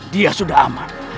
dia sudah aman